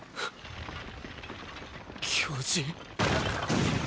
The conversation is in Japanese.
巨人⁉